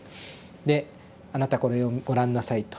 で「あなたこれをご覧なさい」と。